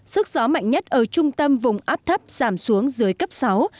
sức gió mạnh nhất ở trung tâm vùng áp thấp giảm xuống dưới cấp sáu